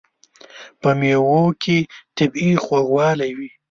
په مېوو کې طبیعي خوږوالی وي.